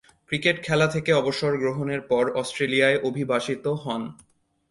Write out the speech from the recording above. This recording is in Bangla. ক্রিকেট খেলা থেকে অবসর গ্রহণের পর অস্ট্রেলিয়ায় অভিবাসিত হন।